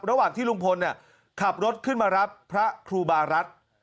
ระหว่างที่ลุงพลขับรถขึ้นมารับพระครูบารัฐ